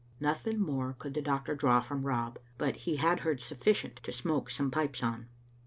Nothing more could the doctor draw from Rob, but he had heard sufficient to smoke some pipes on.